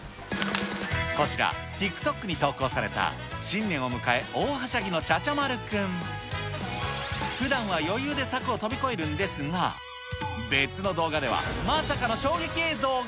こちら、ＴｉｋＴｏｋに投稿された、新年を迎え、大はしゃぎの茶々丸くん。ふだんは余裕で柵を飛び越えるんですが、別の動画では、まさかの衝撃映像が。